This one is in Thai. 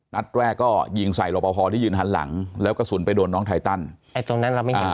นัดแรกก็ยิงใส่รอปภที่ยืนหันหลังแล้วกระสุนไปโดนน้องไทตันไอ้ตรงนั้นเราไม่เห็น